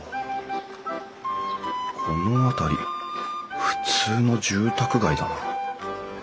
この辺り普通の住宅街だな。